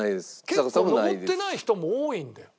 結構登ってない人も多いんだよ。